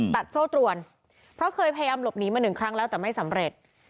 โซ่ตรวนเพราะเคยพยายามหลบหนีมาหนึ่งครั้งแล้วแต่ไม่สำเร็จ